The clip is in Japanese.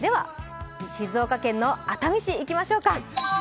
静岡県の熱海市、いきましょうか。